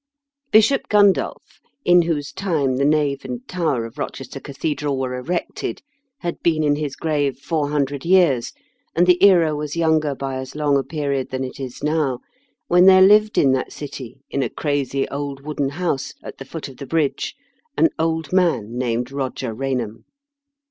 Bishop Gundulph, in whose time the nave and tower of Kochester Cathedral were erected, had been in his grave four hundred years, and the era was younger by as long a period than it is now, when there lived in that city, in a crazy old wooden house, at the foot of the bridge, an old man named Koger Eainham.